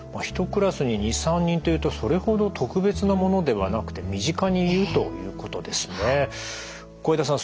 １クラスに２３人というとそれほど特別なものではなくて身近にいるということですね。